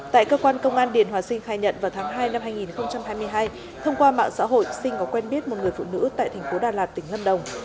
tại cơ quan công an điền hòa sinh khai nhận vào tháng hai năm hai nghìn hai mươi hai thông qua mạng xã hội sinh có quen biết một người phụ nữ tại thành phố đà lạt tỉnh lâm đồng